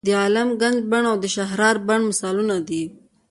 د عالم ګنج بڼ او د شهرارا بڼ مثالونه دي.